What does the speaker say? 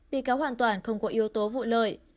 bị cáo hoàn toàn không có yếu tố vụ lợi